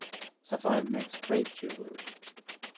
Sapphire makes great jewellery.